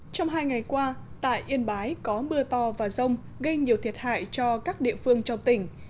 trong hai ngày qua tại yên bái có mưa to và rông gây nhiều thiệt hại cho các địa phương trong tỉnh